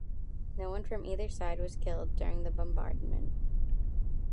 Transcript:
No one from either side was killed during the bombardment.